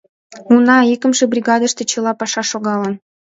Уна, икымше бригадыште чыла паша шогалын.